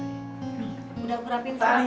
nih udah kurapin saya